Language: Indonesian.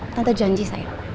tante janji sayang